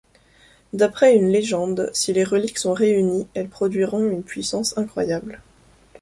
D'après une légende, si les reliques sont réunies, elles produiront une puissance incroyable.